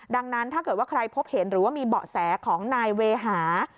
ดังนั้นถ้าเกิดว่าใครพบเห็นหรือว่ามีเบาะแสของนายเวหา